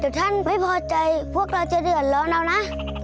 แต่ท่านไม่พอใจพวกเราจะเดือดร้อนเอานะ